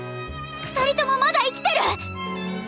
二人ともまだ生きてる！